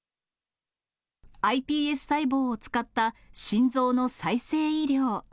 ｉＰＳ細胞を使った心臓の再生医療。